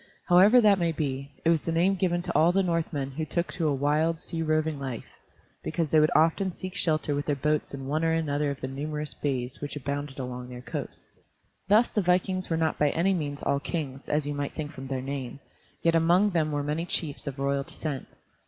However that may be, it was the name given to all the Northmen who took to a wild, sea roving life, because they would often seek shelter with their boats in one or another of the numerous bays which abounded along their coasts. Thus the vikings were not by any means all kings, as you might think from their name; yet among them were many chiefs of royal descent.